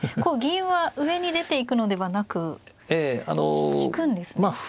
銀は上に出ていくのではなく引くんですね。